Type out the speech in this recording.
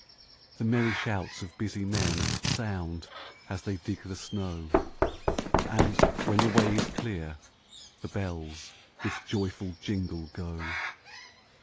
The merry shouts of busy men Sound, as they dig the snow; And, when the way is clear, the bells With joyful jingle, go.